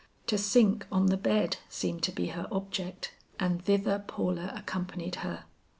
To sink on the bed seemed to be her object, and thither Paula accompanied her.